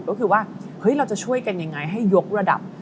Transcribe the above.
ก็คือว่าเฮ้ยเราจะช่วยกันยังไงให้ยกระดับ